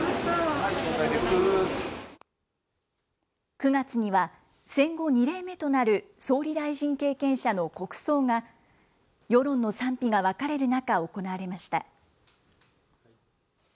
９月には、戦後２例目となる総理大臣経験者の国葬が、世論の賛否が分かれる中、行われました。